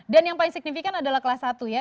dan yang paling signifikan adalah kelas satu ya